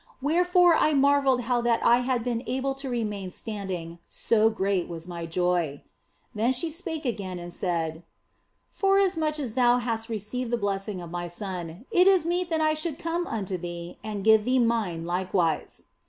Wherefore I marvelled how that I had been able to remain standing, so great was my joy. Then she spake again and said " Forasmuch as thou hast received the blessing of my Son, it is meet that I should come unto thee and give thee mine likewise."